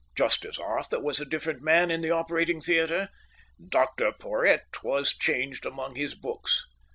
Just as Arthur was a different man in the operating theatre, Dr Porhoët was changed among his books.